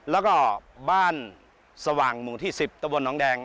แล้วก็บ้านสว่างหมู่ที่๑๐ตะบนน้องแดง